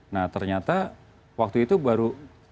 nah ternyata waktu itu baru